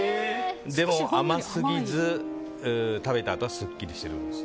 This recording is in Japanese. でも甘すぎず、食べたあとはすっきりするんです。